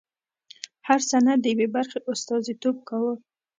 هر سند د یوې برخې استازیتوب کاوه.